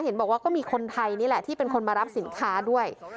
เห็นบอกว่าก็มีคนไทยนี่แหละที่เป็นคนมารับสินค้าด้วย